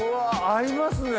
合いますね。